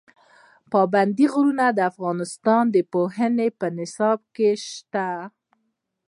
پابندي غرونه د افغانستان د پوهنې په نصاب کې شته.